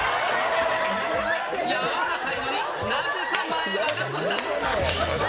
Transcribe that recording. やわらかいのに、なぜか前歯が抜けた。